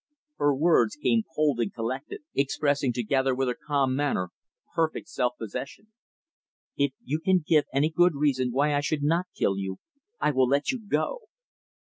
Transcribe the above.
Her words came cold and collected, expressing, together with her calm manner, perfect self possession "If you can give any good reason why I should not kill you, I will let you go."